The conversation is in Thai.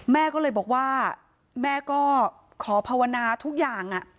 แม่ก็เลยบอกว่าแม่ก็ขอภาวนาทุกอย่าง